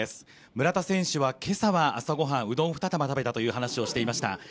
村田選手は今朝は朝御飯、うどん２玉食べたという話をしていました。